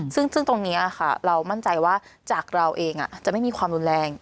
ซึ่งตรงนี้ค่ะเรามั่นใจว่าจากเราเองจะไม่มีความรุนแรง